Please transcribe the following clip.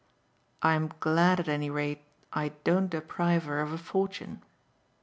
"I'm glad at any rate I don't deprive her of a fortune."